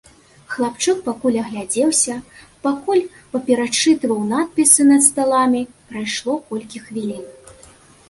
Хлапчук пакуль агледзеўся, пакуль паперачытваў надпісы над сталамі, прайшло колькі хвілін.